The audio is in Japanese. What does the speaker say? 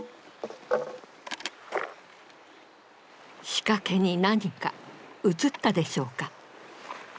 仕掛けに何か写ったでしょうか。